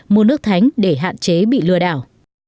mua nước thánh để hạn chế bị lừa đảo